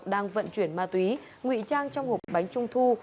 đang vận chuyển ma túy ngụy trang trong hộp bánh trung thu